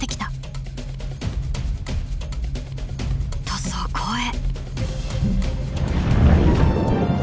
とそこへ。